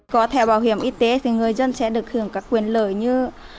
có thể bảo hiểm y tế thì người dân sẽ được hưởng các quyền lợi như